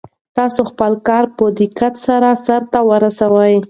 تاسو خپل کار په دقت سره سرته ورسوئ.